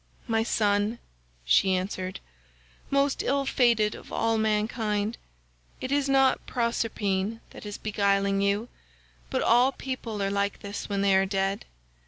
"'My son,' she answered, 'most ill fated of all mankind, it is not Proserpine that is beguiling you, but all people are like this when they are dead.